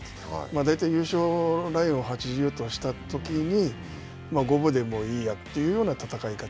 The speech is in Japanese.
大体優勝ラインを８０としたときに、五分でもいいやというような戦い方。